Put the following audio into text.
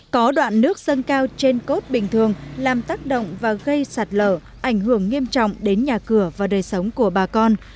có đoạn nước dâng cao trên cốt bình thường làm tác động và gây sạt lở ảnh hưởng nghiêm trọng đến nhà cửa và đời sống của bà con